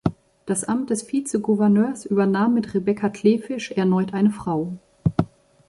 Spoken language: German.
Das Amt des Vizegouverneurs übernahm mit Rebecca Kleefisch erneut eine Frau.